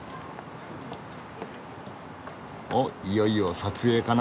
おいよいよ撮影かな。